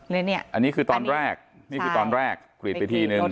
อันนี้คือตอนแรกนี่คือตอนแรกกรีดไปทีนึง